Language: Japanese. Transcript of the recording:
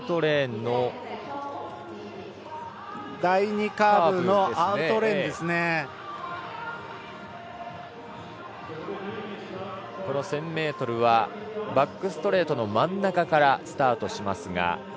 第２カーブの１０００ｍはバックストレートの真ん中からスタートしますが。